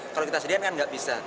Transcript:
kalau kita sendirian kan nggak bisa